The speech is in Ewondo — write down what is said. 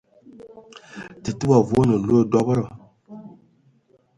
Tətə wa vuan loe dɔbədɔ.